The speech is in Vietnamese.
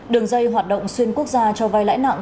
đường dây hoạt động xuyên quốc gia cho vai lãi nặng